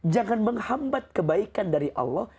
jangan menghambat kebaikan dari allah